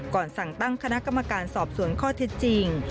ก่อนสั่งตั้งคณะกรรมการสอบสวนข้อเท็จจริง